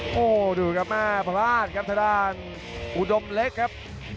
โอ้โหดูครับแม่พลาดครับทางด้านอุดมเล็กครับ